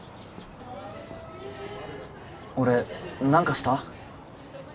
俺何かした？